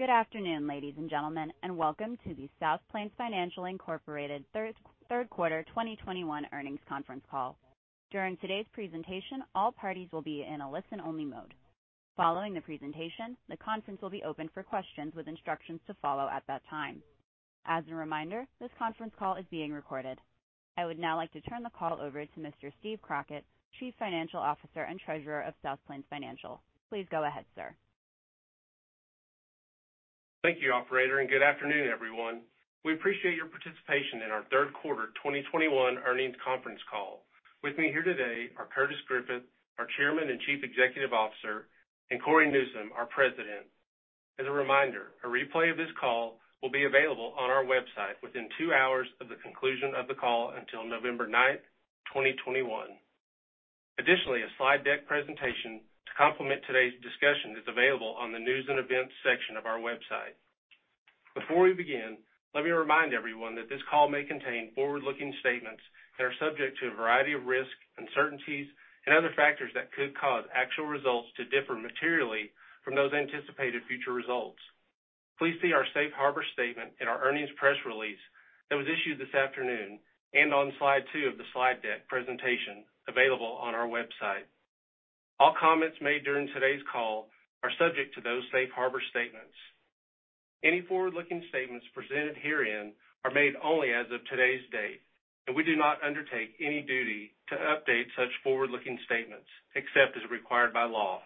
Good afternoon, ladies and gentlemen, and welcome to the South Plains Financial Incorporated third quarter 2021 earnings conference call. During today's presentation, all parties will be in a listen-only mode. Following the presentation, the conference will be opened for questions with instructions to follow at that time. As a reminder, this conference call is being recorded. I would now like to turn the call over to Mr. Steven Crockett, Chief Financial Officer and Treasurer of South Plains Financial. Please go ahead, sir. Thank you, operator, and good afternoon, everyone. We appreciate your participation in our third quarter 2021 earnings conference call. With me here today are Curtis Griffith, our Chairman and Chief Executive Officer, and Cory Newsom, our President. As a reminder, a replay of this call will be available on our website within two hours of the conclusion of the call until November 9th, 2021. Additionally, a slide deck presentation to complement today's discussion is available on the News and Events section of our website. Before we begin, let me remind everyone that this call may contain forward-looking statements that are subject to a variety of risks, uncertainties, and other factors that could cause actual results to differ materially from those anticipated future results. Please see our safe harbor statement in our earnings press release that was issued this afternoon and on slide two of the slide deck presentation available on our website. All comments made during today's call are subject to those safe harbor statements. Any forward-looking statements presented herein are made only as of today's date, and we do not undertake any duty to update such forward-looking statements, except as required by law.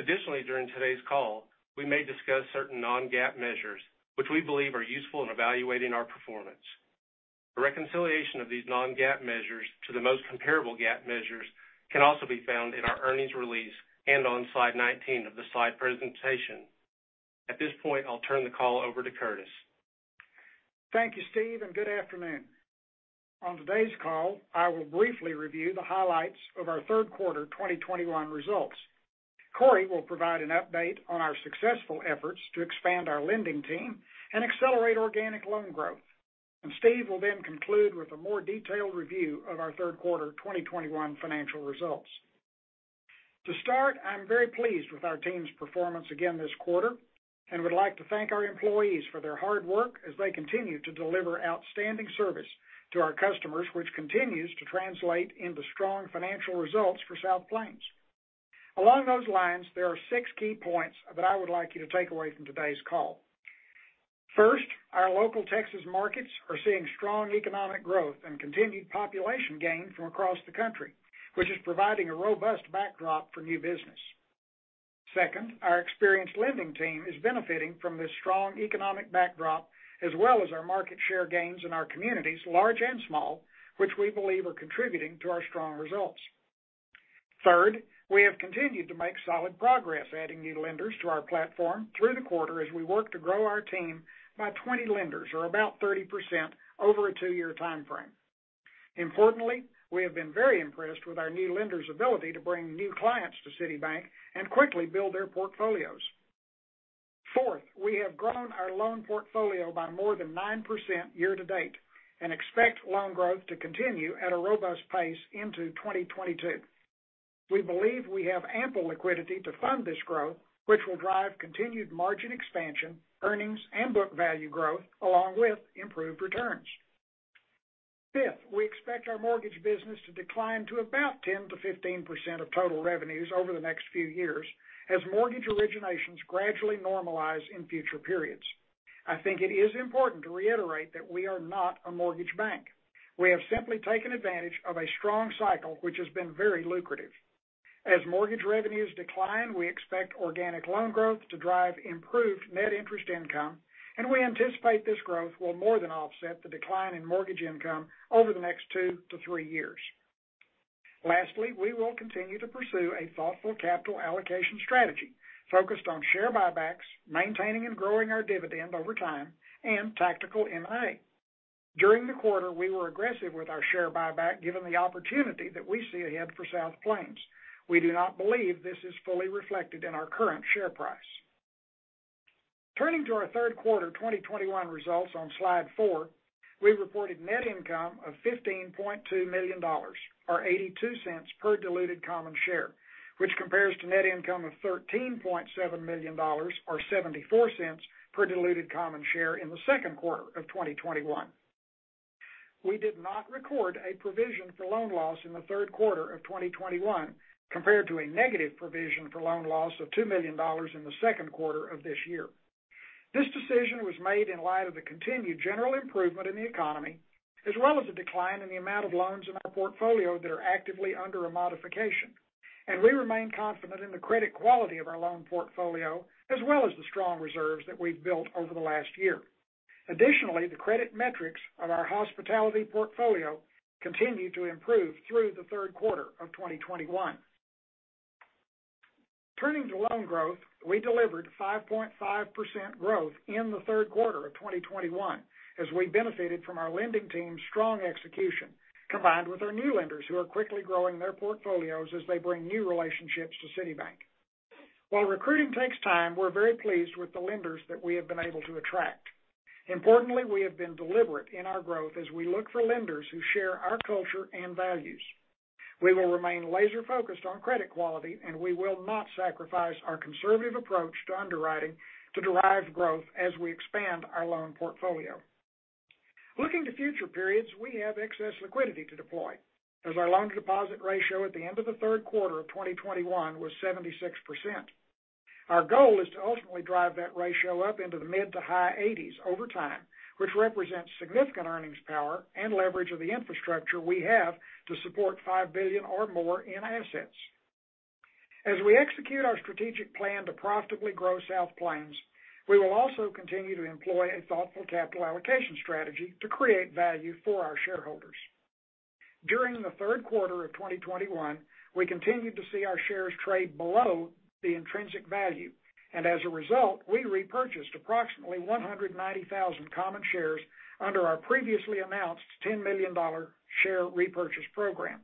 Additionally, during today's call, we may discuss certain non-GAAP measures which we believe are useful in evaluating our performance. A reconciliation of these non-GAAP measures to the most comparable GAAP measures can also be found in our earnings release and on slide 19 of the slide presentation. At this point, I'll turn the call over to Curtis. Thank you, Steve, and good afternoon. On today's call, I will briefly review the highlights of our third quarter 2021 results. Cory will provide an update on our successful efforts to expand our lending team and accelerate organic loan growth. Steve will then conclude with a more detailed review of our third quarter 2021 financial results. To start, I'm very pleased with our team's performance again this quarter and would like to thank our employees for their hard work as they continue to deliver outstanding service to our customers, which continues to translate into strong financial results for South Plains. Along those lines, there are 6 key points that I would like you to take away from today's call. First, our local Texas markets are seeing strong economic growth and continued population gain from across the country, which is providing a robust backdrop for new business. Second, our experienced lending team is benefiting from this strong economic backdrop, as well as our market share gains in our communities, large and small, which we believe are contributing to our strong results. Third, we have continued to make solid progress adding new lenders to our platform through the quarter as we work to grow our team by 20 lenders or about 30% over a two-year time frame. Importantly, we have been very impressed with our new lenders' ability to bring new clients to City Bank and quickly build their portfolios. Fourth, we have grown our loan portfolio by more than 9% year to date and expect loan growth to continue at a robust pace into 2022. We believe we have ample liquidity to fund this growth, which will drive continued margin expansion, earnings, and book value growth, along with improved returns. Fifth, we expect our mortgage business to decline to about 10%-15% of total revenues over the next few years as mortgage originations gradually normalize in future periods. I think it is important to reiterate that we are not a mortgage bank. We have simply taken advantage of a strong cycle which has been very lucrative. As mortgage revenues decline, we expect organic loan growth to drive improved net interest income, and we anticipate this growth will more than offset the decline in mortgage income over the next two to three years. Lastly, we will continue to pursue a thoughtful capital allocation strategy focused on share buybacks, maintaining and growing our dividend over time, and tactical M&A. During the quarter, we were aggressive with our share buyback given the opportunity that we see ahead for South Plains. We do not believe this is fully reflected in our current share price. Turning to our third quarter 2021 results on slide four, we reported net income of $15.2 million or $0.82 per diluted common share, which compares to net income of $13.7 million or $0.74 per diluted common share in the second quarter of 2021. We did not record a provision for loan loss in the third quarter of 2021, compared to a negative provision for loan loss of $2 million in the second quarter of this year. This decision was made in light of the continued general improvement in the economy, as well as the decline in the amount of loans in our portfolio that are actively under a modification. We remain confident in the credit quality of our loan portfolio, as well as the strong reserves that we've built over the last year. Additionally, the credit metrics of our hospitality portfolio continued to improve through the third quarter of 2021. Turning to loan growth, we delivered 5.5% growth in the third quarter of 2021 as we benefited from our lending team's strong execution, combined with our new lenders who are quickly growing their portfolios as they bring new relationships to City Bank. While recruiting takes time, we're very pleased with the lenders that we have been able to attract. Importantly, we have been deliberate in our growth as we look for lenders who share our culture and values. We will remain laser-focused on credit quality, and we will not sacrifice our conservative approach to underwriting to derive growth as we expand our loan portfolio. Looking to future periods, we have excess liquidity to deploy, as our loan-to-deposit ratio at the end of the third quarter of 2021 was 76%. Our goal is to ultimately drive that ratio up into the mid- to high 80s% over time, which represents significant earnings power and leverage of the infrastructure we have to support $5 billion or more in assets. As we execute our strategic plan to profitably grow South Plains, we will also continue to employ a thoughtful capital allocation strategy to create value for our shareholders. During the third quarter of 2021, we continued to see our shares trade below the intrinsic value, and as a result, we repurchased approximately 190,000 common shares under our previously announced $10 million share repurchase program.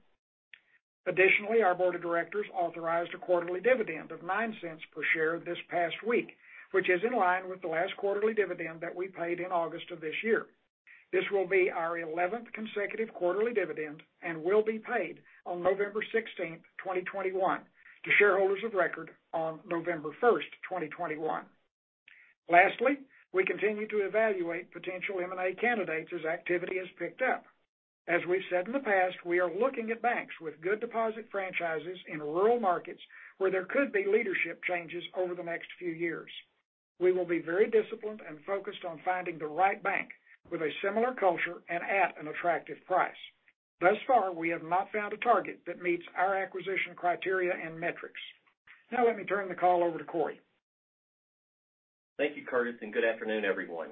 Additionally, our board of directors authorized a quarterly dividend of $0.09 per share this past week, which is in line with the last quarterly dividend that we paid in August of this year. This will be our 11th consecutive quarterly dividend and will be paid on November 16, 2021 to shareholders of record on November 1st, 2021. Lastly, we continue to evaluate potential M&A candidates as activity has picked up. As we've said in the past, we are looking at banks with good deposit franchises in rural markets where there could be leadership changes over the next few years. We will be very disciplined and focused on finding the right bank with a similar culture and at an attractive price. Thus far, we have not found a target that meets our acquisition criteria and metrics. Now let me turn the call over to Cory. Thank you, Curtis, and good afternoon, everyone.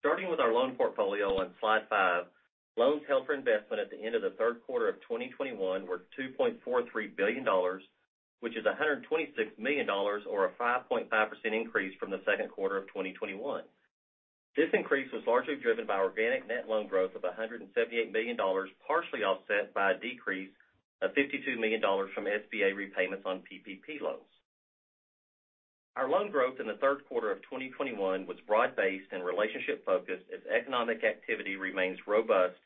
Starting with our loan portfolio on slide 5, loans held for investment at the end of the third quarter of 2021 were $2.43 billion, which is $126 million or a 5.5% increase from the second quarter of 2021. This increase was largely driven by organic net loan growth of $178 million, partially offset by a decrease of $52 million from SBA repayments on PPP loans. Our loan growth in the third quarter of 2021 was broad-based and relationship-focused as economic activity remains robust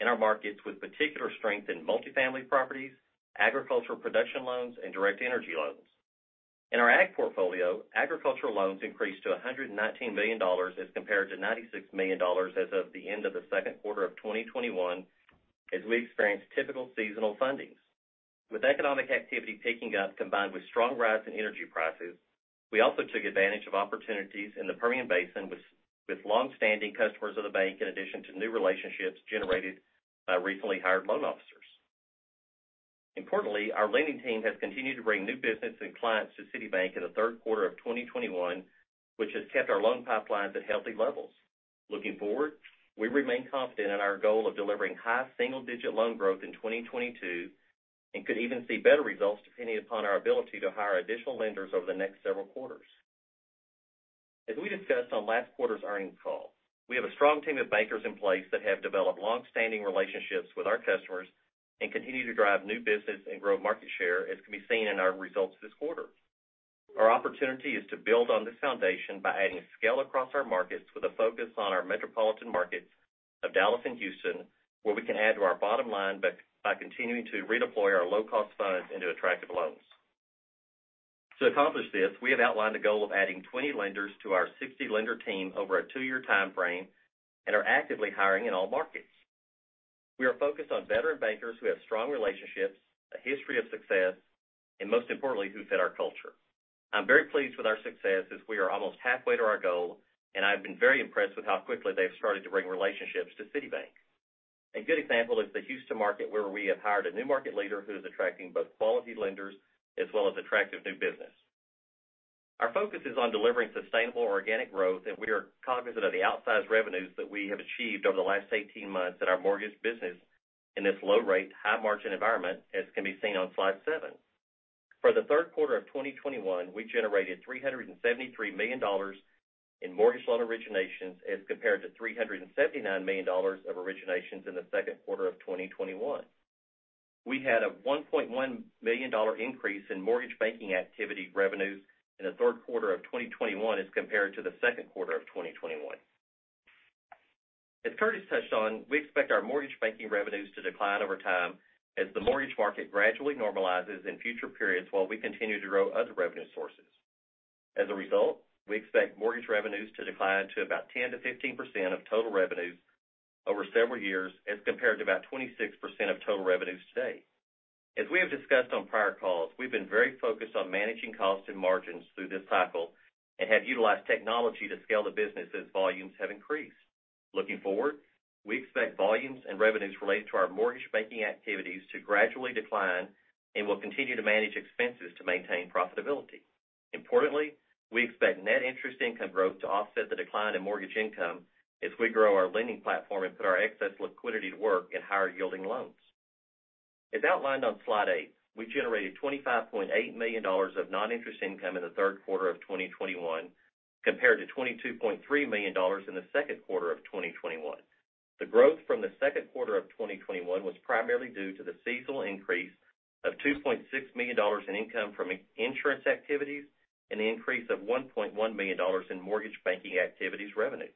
in our markets with particular strength in multifamily properties, agricultural production loans, and direct energy loans. In our Ag portfolio, agricultural loans increased to $119 million as compared to $96 million as of the end of the second quarter of 2021, as we experienced typical seasonal fundings. With economic activity picking up, combined with strong rising energy prices, we also took advantage of opportunities in the Permian Basin with long-standing customers of the bank in addition to new relationships generated by recently hired loan officers. Importantly, our lending team has continued to bring new business and clients to City Bank in the third quarter of 2021, which has kept our loan pipelines at healthy levels. Looking forward, we remain confident in our goal of delivering high single-digit loan growth in 2022, and could even see better results depending upon our ability to hire additional lenders over the next several quarters. As we discussed on last quarter's earnings call, we have a strong team of bankers in place that have developed long-standing relationships with our customers and continue to drive new business and grow market share, as can be seen in our results this quarter. Our opportunity is to build on this foundation by adding scale across our markets with a focus on our metropolitan markets of Dallas and Houston, where we can add to our bottom line by continuing to redeploy our low-cost funds into attractive loans. To accomplish this, we have outlined a goal of adding 20 lenders to our 60-lender team over a two year timeframe and are actively hiring in all markets. We are focused on veteran bankers who have strong relationships, a history of success, and most importantly, who fit our culture. I'm very pleased with our success as we are almost halfway to our goal, and I've been very impressed with how quickly they've started to bring relationships to City Bank. A good example is the Houston market where we have hired a new market leader who is attracting both quality lenders as well as attractive new business. Our focus is on delivering sustainable organic growth, and we are cognizant of the outsized revenues that we have achieved over the last 18 months at our mortgage business in this low-rate, high-margin environment, as can be seen on slide seven. For the third quarter of 2021, we generated $373 million in mortgage loan originations as compared to $379 million of originations in the second quarter of 2021. We had a $1.1 million increase in mortgage banking activity revenues in the third quarter of 2021 as compared to the second quarter of 2021. As Curtis touched on, we expect our mortgage banking revenues to decline over time as the mortgage market gradually normalizes in future periods while we continue to grow other revenue sources. As a result, we expect mortgage revenues to decline to about 10%-15% of total revenues over several years as compared to about 26% of total revenues today. As we have discussed on prior calls, we've been very focused on managing costs and margins through this cycle and have utilized technology to scale the business as volumes have increased. Looking forward, we expect volumes and revenues related to our mortgage banking activities to gradually decline and will continue to manage expenses to maintain profitability. Importantly, we expect net interest income growth to offset the decline in mortgage income as we grow our lending platform and put our excess liquidity to work in higher-yielding loans. As outlined on slide eight, we generated $25.8 million of non-interest income in the third quarter of 2021, compared to $22.3 million in the second quarter. The growth from the second quarter of 2021 was primarily due to the seasonal increase of $2.6 million in income from insurance activities and the increase of $1.1 million in mortgage banking activities revenue.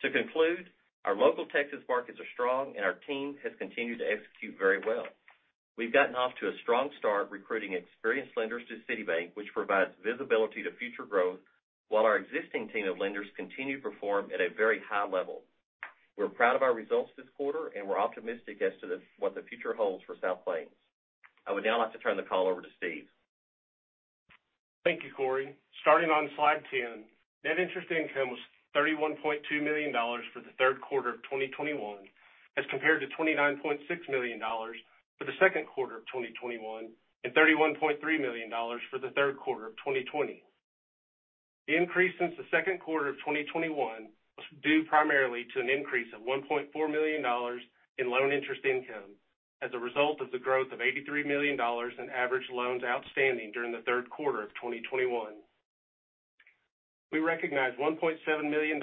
To conclude, our local Texas markets are strong, and our team has continued to execute very well. We've gotten off to a strong start recruiting experienced lenders to City Bank, which provides visibility to future growth, while our existing team of lenders continue to perform at a very high level. We're proud of our results this quarter, and we're optimistic as to what the future holds for South Plains. I would now like to turn the call over to Steve. Thank you, Cory. Starting on slide 10, net interest income was $31.2 million for the third quarter of 2021, as compared to $29.6 million for the second quarter of 2021 and $31.3 million for the third quarter of 2020. The increase since the second quarter of 2021 was due primarily to an increase of $1.4 million in loan interest income as a result of the growth of $83 million in average loans outstanding during the third quarter of 2021. We recognized $1.7 million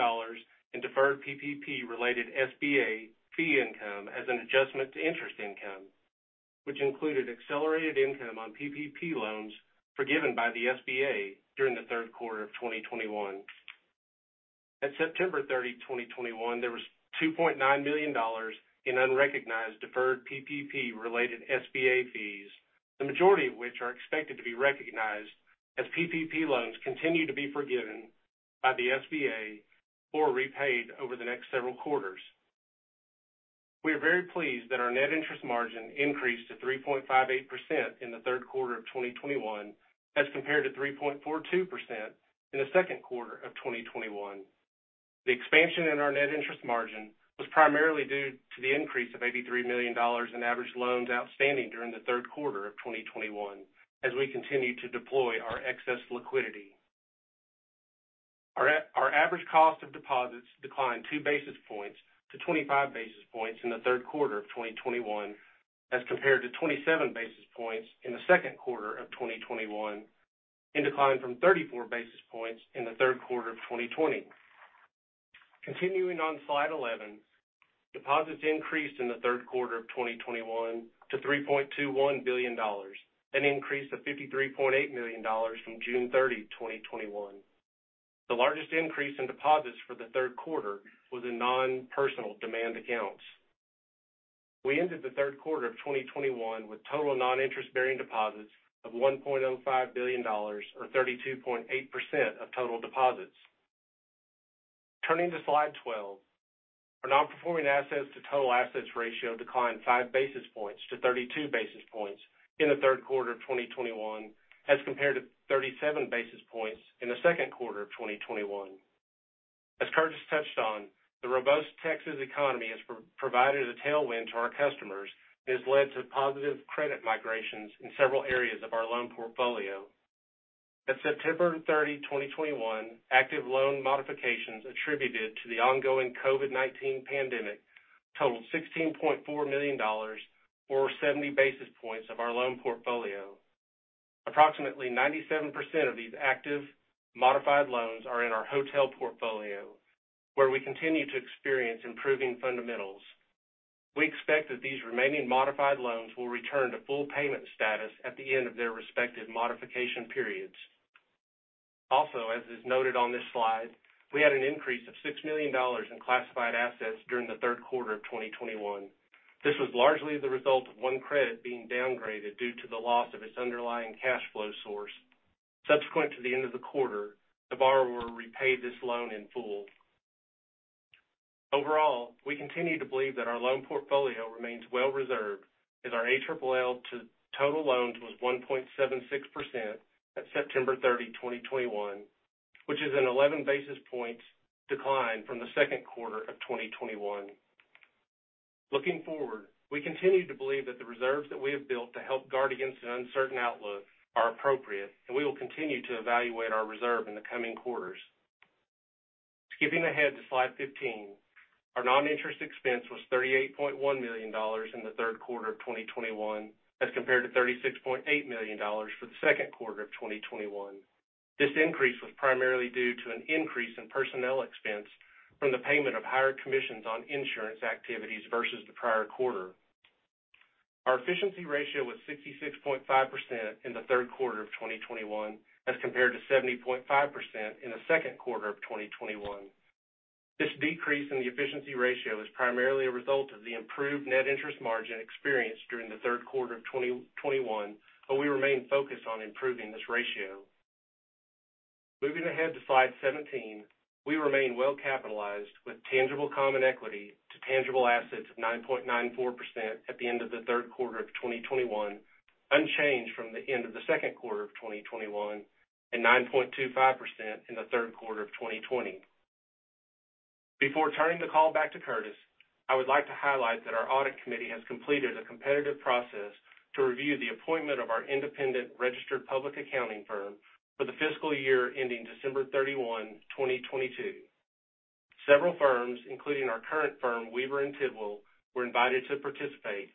in deferred PPP related SBA fee income as an adjustment to interest income, which included accelerated income on PPP loans forgiven by the SBA during the third quarter of 2021. At September 30, 2021, there was $2.9 million in unrecognized deferred PPP related SBA fees, the majority of which are expected to be recognized as PPP loans continue to be forgiven by the SBA or repaid over the next several quarters. We are very pleased that our net interest margin increased to 3.58% in the third quarter of 2021, as compared to 3.42% in the second quarter of 2021. The expansion in our net interest margin was primarily due to the increase of $83 million in average loans outstanding during the third quarter of 2021 as we continue to deploy our excess liquidity. Our average cost of deposits declined 2 basis points to 25 basis points in the third quarter of 2021, as compared to 27 basis points in the second quarter of 2021, and declined from 34 basis points in the third quarter of 2020. Continuing on slide 11, deposits increased in the third quarter of 2021 to $3.21 billion, an increase of $53.8 million from June 30, 2021. The largest increase in deposits for the third quarter was in non-personal demand accounts. We ended the third quarter of 2021 with total non-interest bearing deposits of $1.05 billion or 32.8% of total deposits. Turning to slide 12, our non-performing assets to total assets ratio declined 5 basis points to 32 basis points in the third quarter of 2021, as compared to 37 basis points in the second quarter of 2021. As Curtis touched on, the robust Texas economy has provided a tailwind to our customers and has led to positive credit migrations in several areas of our loan portfolio. At September 30, 2021, active loan modifications attributed to the ongoing COVID-19 pandemic totaled $16.4 million or 70 basis points of our loan portfolio. Approximately 97% of these active modified loans are in our hotel portfolio, where we continue to experience improving fundamentals. We expect that these remaining modified loans will return to full payment status at the end of their respective modification periods. As is noted on this slide, we had an increase of $6 million in classified assets during the third quarter of 2021. This was largely the result of one credit being downgraded due to the loss of its underlying cash flow source. Subsequent to the end of the quarter, the borrower repaid this loan in full. Overall, we continue to believe that our loan portfolio remains well reserved as our ALL to total loans was 1.76% at September 30, 2021, which is an 11 basis points decline from the second quarter of 2021. Looking forward, we continue to believe that the reserves that we have built to help guard against an uncertain outlook are appropriate, and we will continue to evaluate our reserve in the coming quarters. Skipping ahead to slide 15. Our non-interest expense was $38.1 million in the third quarter of 2021, as compared to $36.8 million for the second quarter of 2021. This increase was primarily due to an increase in personnel expense from the payment of higher commissions on insurance activities versus the prior quarter. Our efficiency ratio was 66.5% in the third quarter of 2021, as compared to 70.5% in the second quarter of 2021. This decrease in the efficiency ratio is primarily a result of the improved net interest margin experienced during the third quarter of 2021, but we remain focused on improving this ratio. Moving ahead to slide 17. We remain well-capitalized with tangible common equity to tangible assets of 9.94% at the end of the third quarter of 2021, unchanged from the end of the second quarter of 2021, and 9.25% in the third quarter of 2020. Before turning the call back to Curtis, I would like to highlight that our audit committee has completed a competitive process to review the appointment of our independent registered public accounting firm for the fiscal year ending December 31, 2022. Several firms, including our current firm, Weaver and Tidwell, were invited to participate.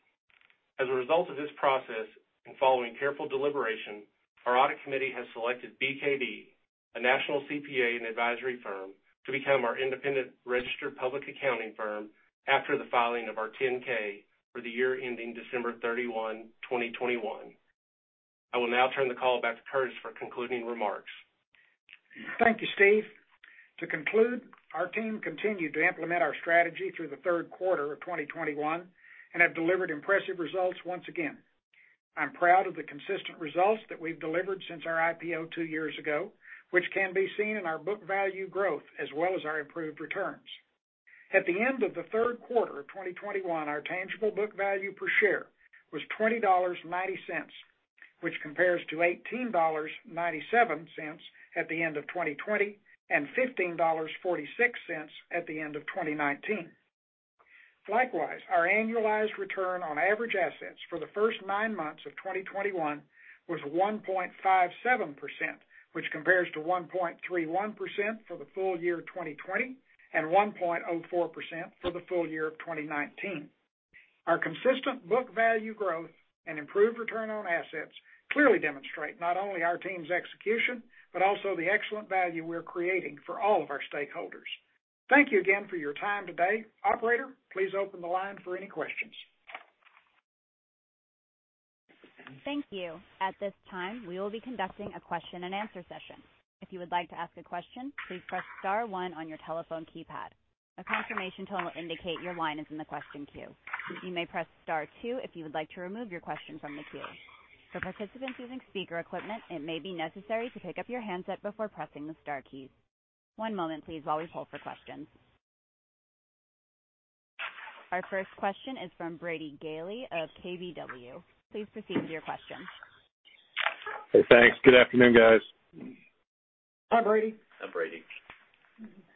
As a result of this process, and following careful deliberation, our audit committee has selected BKD, a national CPA and advisory firm, to become our independent registered public accounting firm after the filing of our 10-K for the year ending December 31, 2021. I will now turn the call back to Curtis for concluding remarks. Thank you, Steve. To conclude, our team continued to implement our strategy through the third quarter of 2021 and have delivered impressive results once again. I'm proud of the consistent results that we've delivered since our IPO two years ago, which can be seen in our book value growth as well as our improved returns. At the end of the third quarter of 2021, our tangible book value per share was $20.90, which compares to $18.97 at the end of 2020 and $15.46 at the end of 2019. Likewise, our annualized return on average assets for the first nine months of 2021 was 1.57%, which compares to 1.31% for the full year of 2020 and 1.04% for the full year of 2019. Our consistent book value growth and improved return on assets clearly demonstrate not only our team's execution, but also the excellent value we're creating for all of our stakeholders. Thank you again for your time today. Operator, please open the line for any questions. Thank you. At this time, we will be conducting a question-and-answer session. If you would like to ask a question, please press star one on your telephone keypad. A confirmation tone will indicate your line is in the question queue. You may press star two if you would like to remove your question from the queue. For participants using speaker equipment, it may be necessary to pick up your handset before pressing the star keys. One moment, please, while we pull for questions. Our first question is from Brady Gailey of KBW. Please proceed with your question. Hey thanks good afternoon, guys. Hi, Brady. Hi, Brady.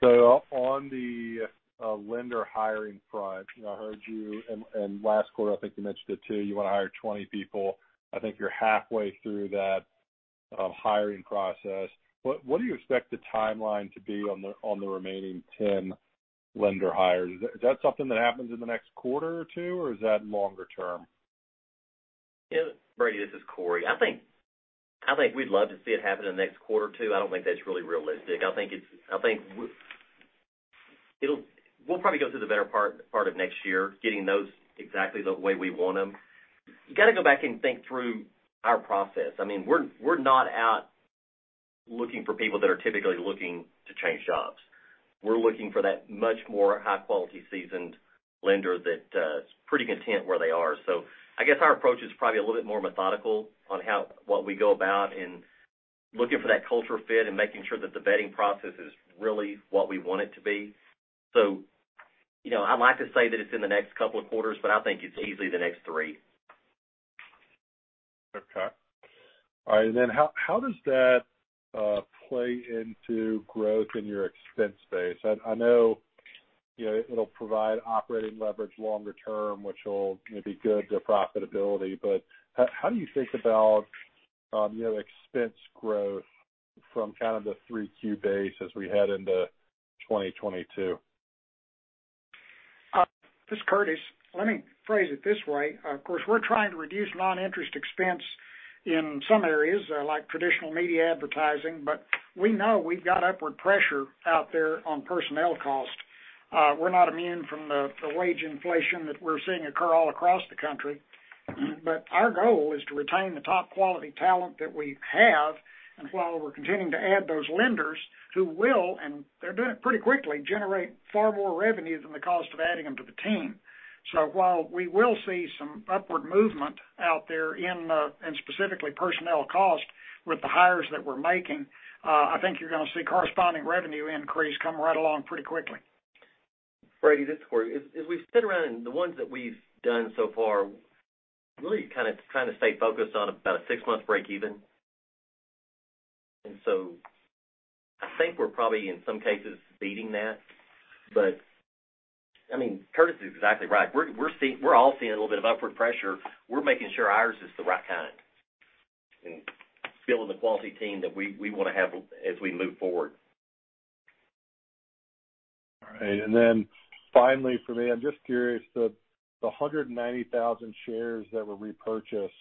On the lender hiring front, you know, I heard you and last quarter, I think you mentioned it too, you wanna hire 20 people. I think you're halfway through that hiring process. What do you expect the timeline to be on the remaining 10 lender hires? Is that something that happens in the next quarter or two, or is that longer term? Brady, this is Cory. I think we'd love to see it happen in the next quarter or two. I don't think that's really realistic. I think we'll probably go through the better part of next year getting those exactly the way we want them. You gotta go back and think through our process. I mean, we're not out looking for people that are typically looking to change jobs. We're looking for that much more high-quality, seasoned lender that is pretty content where they are. I guess our approach is probably a little bit more methodical on how what we go about in looking for that cultural fit and making sure that the vetting process is really what we want it to be. You know, I'd like to say that it's in the next couple of quarters, but I think it's easily the next three. Okay. All right. How does that play into growth in your expense base? I know, you know, it'll provide operating leverage longer term, which will, you know, be good to profitability, but how do you think about, you know, expense growth from kind of the 3Q base as we head into 2022? This is Curtis. Let me phrase it this way. Of course, we're trying to reduce non-interest expense in some areas, like traditional media advertising, but we know we've got upward pressure out there on personnel costs. We're not immune from the wage inflation that we're seeing occur all across the country. Our goal is to retain the top quality talent that we have, and while we're continuing to add those lenders who will, and they're doing it pretty quickly, generate far more revenue than the cost of adding them to the team. While we will see some upward movement out there in specifically personnel cost with the hires that we're making, I think you're gonna see corresponding revenue increase come right along pretty quickly. Brady, this is Cory. As we sit around and the ones that we've done so far, really kind of trying to stay focused on about a six-month break even. I think we're probably in some cases beating that. I mean, Curtis is exactly right. We're all seeing a little bit of upward pressure. We're making sure ours is the right kind and building the quality team that we wanna have as we move forward. All right. Finally for me, I'm just curious, the 190,000 shares that were repurchased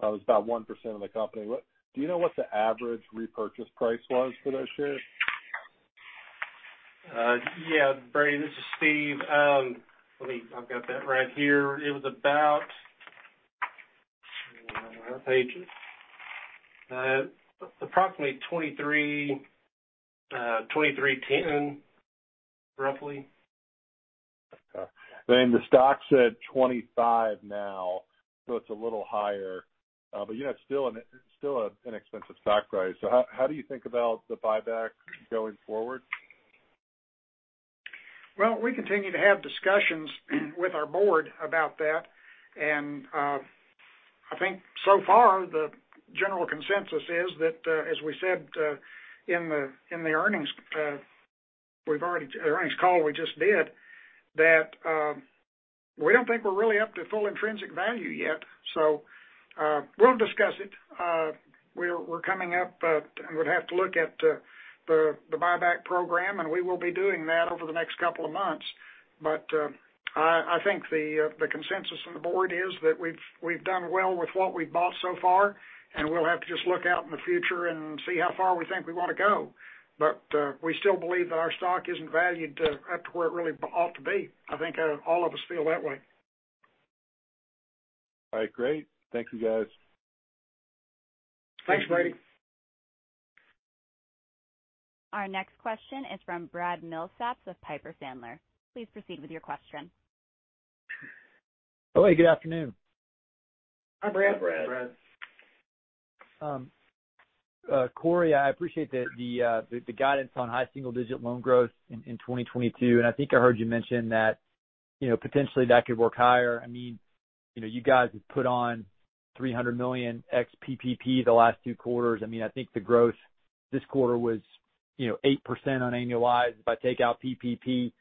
was about 1% of the company. Do you know what the average repurchase price was for those shares? Brady Gailey, this is Steve Crockett. I've got that right here. It was about [inaudible] Okay. The stock's at $25 now, so it's a little higher. You know, it's still an inexpensive stock price. How do you think about the buyback going forward? Well, we continue to have discussions with our board about that. I think so far the general consensus is that, as we said, in the earnings call we just did, that we don't think we're really up to full intrinsic value yet. We'll discuss it. We're coming up and we'd have to look at the buyback program, and we will be doing that over the next couple of months. I think the consensus from the board is that we've done well with what we've bought so far, and we'll have to just look out in the future and see how far we think we wanna go. We still believe that our stock isn't valued up to where it really ought to be. I think all of us feel that way. All right, great. Thank you, guys. Thanks, Brady. Our next question is from Brad Milsaps of Piper Sandler. Please proceed with your question. Hello good afternoon. Hi, Brad. Hi, Brad. Cory, I appreciate the guidance on high single-digit loan growth in 2022. I think I heard you mention that, you know, potentially that could work higher. I mean, you know, you guys have put on $300 million ex PPP the last two quarters. I mean, I think the growth this quarter was, you know, 8% annualized if I take out PPP.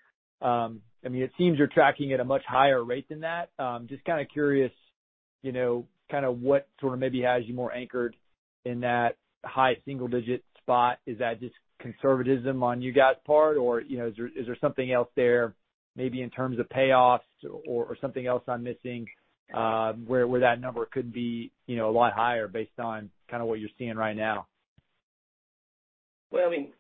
I mean, it seems you're tracking at a much higher rate than that. Just kind of curious, you know, kind of what sort of maybe has you more anchored in that high single-digit spot. Is that just conservatism on you guys' part, or, you know, is there something else there maybe in terms of payoffs or something else I'm missing, where that number could be, you know, a lot higher based on kind of what you're seeing right now? Well, I mean,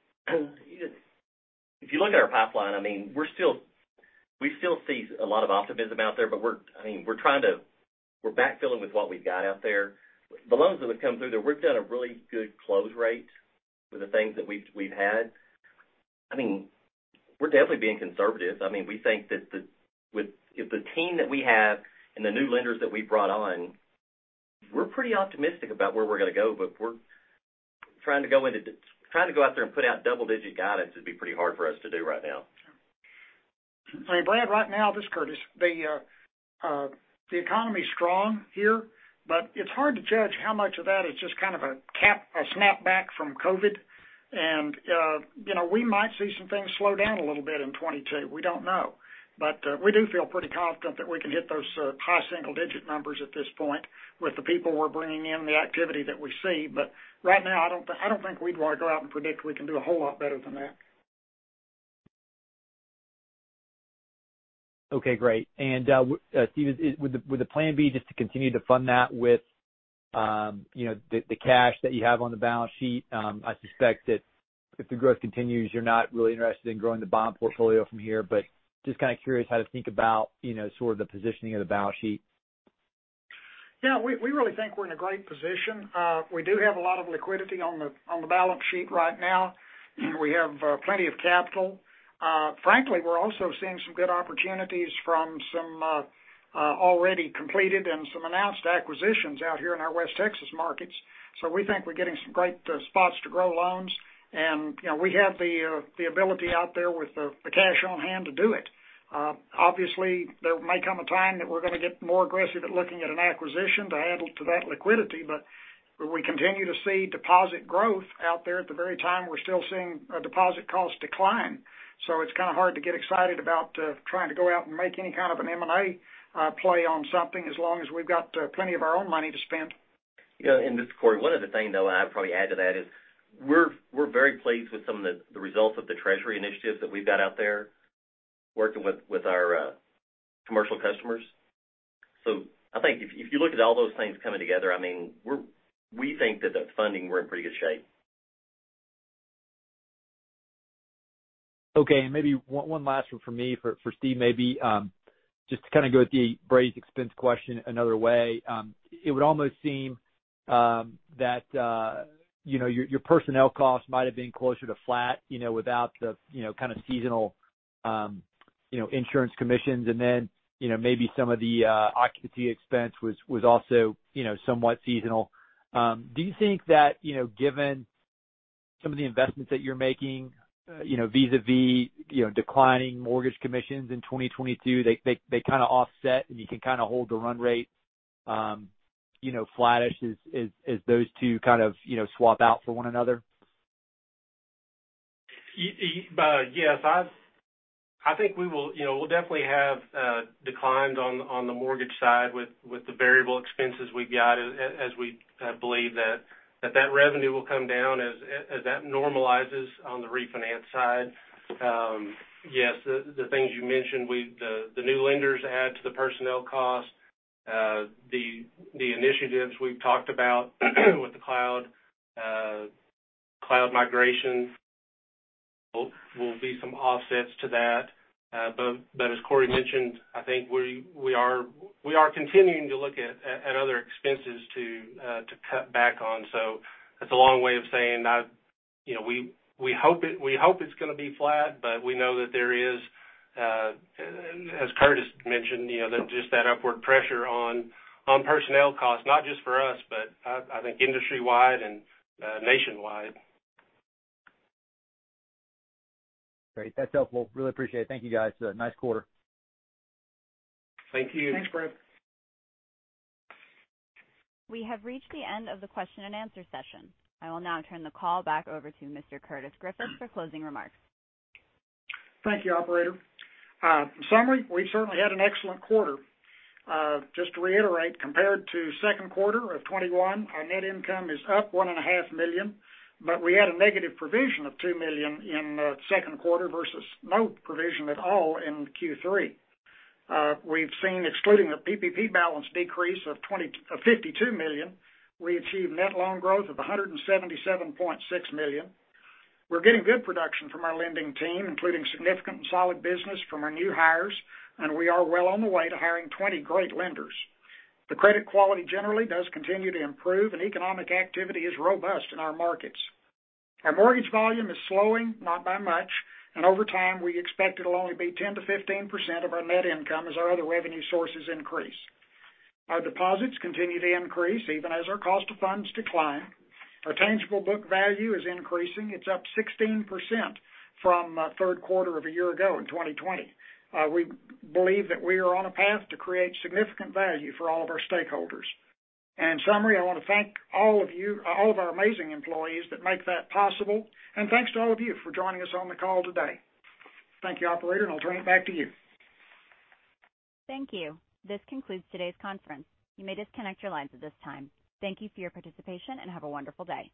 if you look at our pipeline, I mean, we still see a lot of optimism out there. We're backfilling with what we've got out there. The loans that have come through there, we've done a really good close rate with the things that we've had. I mean, we're definitely being conservative. I mean, we think that with the team that we have and the new lenders that we've brought on, we're pretty optimistic about where we're gonna go. We're trying to go out there and put out double-digit guidance would be pretty hard for us to do right now. I mean, Brad, right now, this is Curtis. The economy is strong here, but it's hard to judge how much of that is just kind of a catch-up, a snapback from COVID. You know, we might see some things slow down a little bit in 2022. We don't know. We do feel pretty confident that we can hit those high single digit numbers at this point with the people we're bringing in and the activity that we see. Right now, I don't think we'd want to go out and predict we can do a whole lot better than that. Okay, great. Steve, would the plan B just to continue to fund that with you know the cash that you have on the balance sheet? I suspect that if the growth continues, you're not really interested in growing the bond portfolio from here, but just kind of curious how to think about you know sort of the positioning of the balance sheet. We really think we're in a great position. We do have a lot of liquidity on the balance sheet right now. We have plenty of capital. Frankly, we're also seeing some good opportunities from some already completed and some announced acquisitions out here in our West Texas markets. We think we're getting some great spots to grow loans. You know, we have the ability out there with the cash on hand to do it. Obviously, there may come a time that we're going to get more aggressive at looking at an acquisition to add to that liquidity. We continue to see deposit growth out there at the very time we're still seeing a deposit cost decline. It's kind of hard to get excited about trying to go out and make any kind of an M&A play on something as long as we've got plenty of our own money to spend. This is Cory. One other thing, though, and I'd probably add to that is we're very pleased with some of the results of the treasury initiatives that we've got out there working with our commercial customers. So I think if you look at all those things coming together, I mean, we think that the funding, we're in pretty good shape. Okay, and maybe one last one for me, for Steve maybe. Just to kind of go at the Brady expense question another way. It would almost seem that you know, your personnel costs might have been closer to flat, you know, without the you know, kind of seasonal you know, insurance commissions. Then, you know, maybe some of the occupancy expense was also you know, somewhat seasonal. Do you think that, you know, given some of the investments that you're making, you know, vis-a-vis, you know, declining mortgage commissions in 2022, they kind of offset and you can kind of hold the run rate, you know, flattish as those two kind of, you know, swap out for one another? Yes. I think we will, you know, we'll definitely have declines on the mortgage side with the variable expenses we've got as we believe that revenue will come down as that normalizes on the refinance side. Yes, the things you mentioned, we, the new lenders add to the personnel costs, the initiatives we've talked about with the cloud migration will be some offsets to that. As Cory mentioned, I think we are continuing to look at other expenses to cut back on. That's a long way of saying, you know, we hope it's gonna be flat, but we know that there is, as Curtis mentioned, you know, just that upward pressure on personnel costs, not just for us, but I think industry-wide and nationwide. Great. That's helpful. Really appreciate it. Thank you, guys. Nice quarter. Thank you. Thanks, Brad. We have reached the end of the question-and-answer session. I will now turn the call back over to Mr. Curtis Griffith for closing remarks. Thank you, operator. In summary, we certainly had an excellent quarter. Just to reiterate, compared to second quarter of 2021, our net income is up $1.5 million, but we had a negative provision of $2 million in second quarter versus no provision at all in Q3. We've seen, excluding the PPP balance decrease of $52 million, we achieved net loan growth of $177.6 million. We're getting good production from our lending team, including significant and solid business from our new hires, and we are well on the way to hiring 20 great lenders. The credit quality generally does continue to improve, and economic activity is robust in our markets. Our mortgage volume is slowing, not by much, and over time, we expect it'll only be 10%-15% of our net income as our other revenue sources increase. Our deposits continue to increase even as our cost of funds decline. Our tangible book value is increasing. It's up 16% from third quarter of a year ago in 2020. We believe that we are on a path to create significant value for all of our stakeholders. In summary, I want to thank all of you, all of our amazing employees that make that possible. Thanks to all of you for joining us on the call today. Thank you, operator, and I'll turn it back to you. Thank you. This concludes today's conference. You may disconnect your lines at this time. Thank you for your participation, and have a wonderful day.